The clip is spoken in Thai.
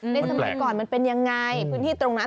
สมัยก่อนมันเป็นยังไงพื้นที่ตรงนั้น